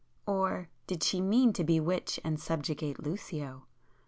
Or,—did she mean to bewitch and subjugate Lucio?